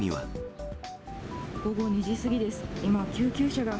午後２時過ぎです。